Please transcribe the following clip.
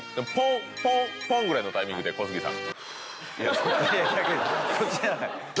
ポンポンポンくらいなタイミングで、小杉さん。